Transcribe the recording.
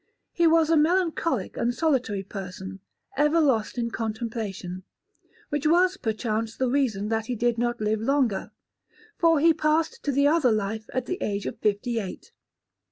He was a melancholic and solitary person, ever lost in contemplation; which was perchance the reason that he did not live longer, for he passed to the other life at the age of fifty eight.